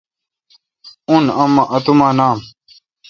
اون اتوما نام۔